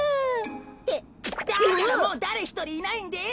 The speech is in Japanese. ってだからもうだれひとりいないんです！